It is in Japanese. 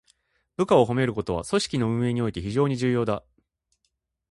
部下を褒めることは、組織の運営において非常に重要だ。